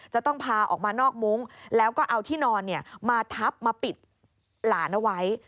จะต้องพาออกมานอกมุ้งแล้วก็เอาที่นอนมาทับมาปิดหลานเอาไว้